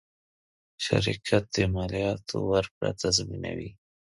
شرکت د مالیاتو ورکړه تضمینوي.